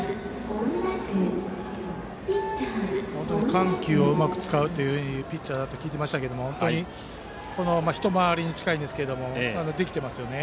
緩急をうまく使うピッチャーだと聞いていましたが本当に一回り目に近いんですができていますよね。